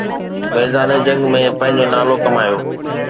ميدان جنگ ۾ پنهنجو نالو ڪمايو.